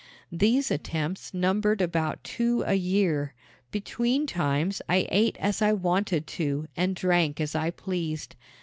These attempts numbered about two a year. Between times I ate as I wanted to and drank as I pleased.